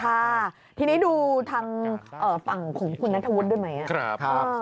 ใช่ค่ะทีนี้ดูทางฝั่งของคุณณธวดด้วยไหม